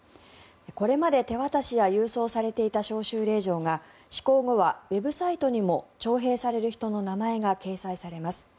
これまで手渡しや郵送されていた招集令状が施行後はウェブサイトにも徴兵される人の名前が掲載されます。